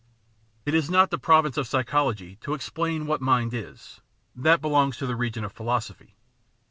^ §2 It is not the province of psychology to explain what mind is; that belongs to the region of philosophy.